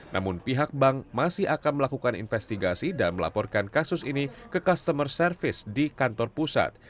namun pihak bank masih akan melakukan investigasi dan melaporkan kasus ini ke customer service di kantor pusat